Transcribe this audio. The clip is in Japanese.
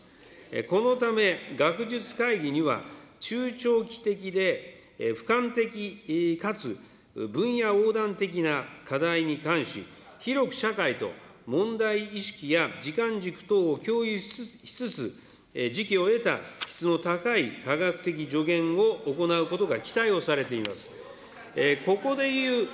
このため、学術会議には、中長期的でふかん的かつ分野横断的な課題に関し、広く社会と問題意識や時間軸等を共有しつつ、時期を質の高い科学的助言を行うことが期待をされています。